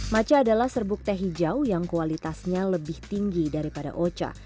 macha adalah serbuk teh hijau yang kualitasnya lebih tinggi daripada ocha